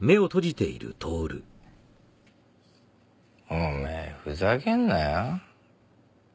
おめえふざけんなよ。